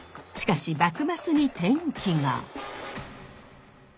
しかし幕末に転機が。